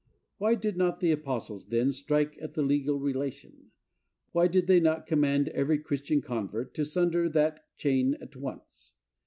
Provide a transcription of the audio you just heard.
Why did not the apostles, then, strike at the legal relation? Why did they not command every Christian convert to sunder that chain at once?